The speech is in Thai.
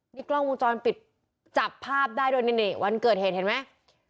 นี่กล้องมุมจรปิดจับภาพได้ด้วยนี่วันเกิดเห็นไหม